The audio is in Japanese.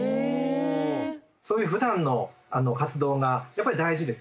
そういうふだんの活動がやっぱり大事ですよね。